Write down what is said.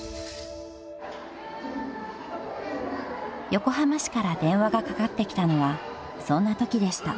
［横浜市から電話がかかってきたのはそんなときでした］